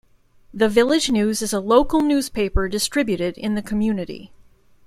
The "Village News" is a local newspaper distributed in the community.